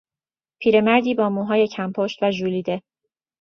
پیرمردی با موهای کم پشت و ژولیده